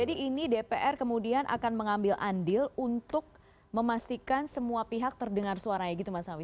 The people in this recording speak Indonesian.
jadi ini dpr kemudian akan mengambil andil untuk memastikan semua pihak terdengar suaranya gitu mas sawi